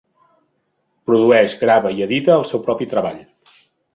Produeix, grava i edita el seu propi treball.